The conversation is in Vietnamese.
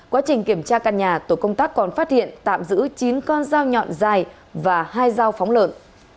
quá trình kiểm tra căn nhà tổ công tác còn phát hiện tạm giữ chín con dao nhọn dài và hai dao phóng lợn